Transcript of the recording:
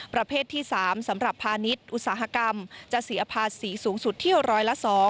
ประเภทที่๓สำหรับพาณิชย์อุตสาหกรรมจะเสียภาษีสูงสุดเที่ยวร้อยละ๒